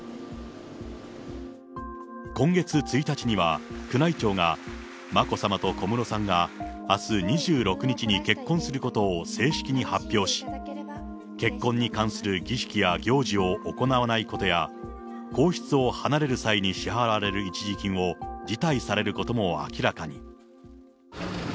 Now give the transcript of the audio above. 今月１日には、宮内庁が眞子さまと小室さんが、あす２６日に結婚することを正式に発表し、結婚に関する儀式や行事を行わないことや、皇室を離れる際に支払われる一時金を辞退されることも明らかに。